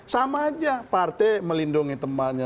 sama aja partai melindungi temannya